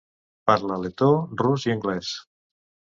Parla letó, rus i anglès.